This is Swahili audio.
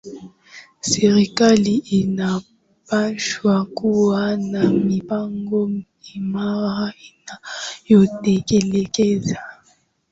Serikali inapaswa kuwa na mipango imara inayotekelezeka